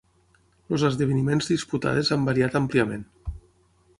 Els esdeveniments disputades han variat àmpliament.